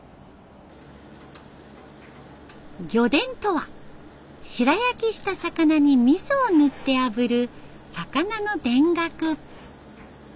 魚でんとは白焼きした魚にみそを塗ってあぶる魚の田楽。